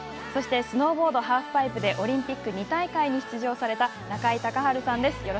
そして、スノーボードハーフパイプでオリンピック２大会に出場された中井孝治さんです。